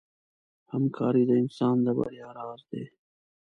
همکاري د انسان د بریا راز دی.